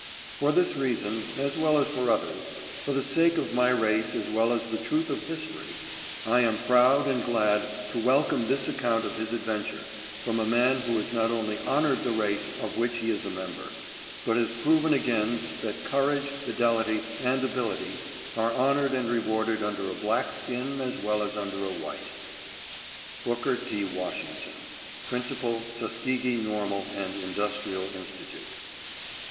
For this reason, as well as for others; for the sake of my race as well as the truth of history; I am proud and glad to welcome this account of his adventure from a man who has not only honored the race of which he is a member, but has proven again that courage, fidelity, and ability are honored and rewarded under a black skin as well as under a white. BOOKER T. WASHINGTON. Principal, Tuskegee Normal and Industrial Institute.